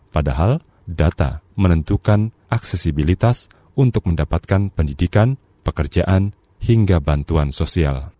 padahal data menentukan aksesibilitas untuk mendapatkan pendidikan pekerjaan hingga bantuan sosial